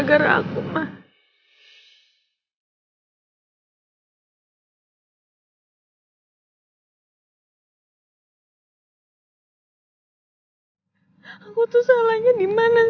aku salah aku dimana